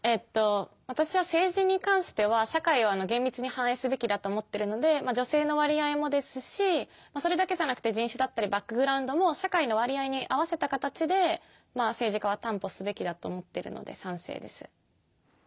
私は政治に関しては社会は厳密に反映すべきだと思ってるので女性の割合もですしそれだけじゃなくて人種だったりバックグラウンドも社会の割合に合わせた形で政治家は担保すべきだと思っているので賛成です。